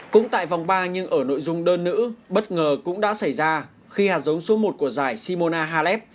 cũng tại vòng ba nhưng ở nội dung đơn nữ bất ngờ cũng đã xảy ra khi hạt giống số một của dài simona halef